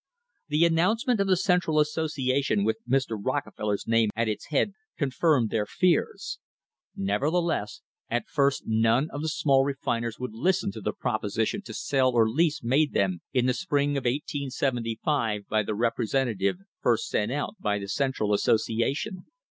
The announcement of the Central Association with Mr. Rockefeller's name at its head confirmed their tears. Nevertheless at first none of the small refiners would listen to the proposition to sell or lease made them in the spring of 1875 by the representative first sent out by the Central Association.